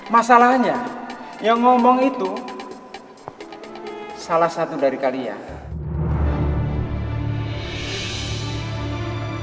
masalahnya yang ngomong itu salah satu dari kalian